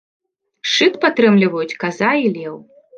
Шчыт падтрымліваюць каза і леў.